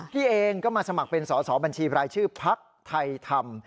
พี่เองก็มาสมัครเป็นสอสอบัญชีบรายชื่อพักไทยธรรม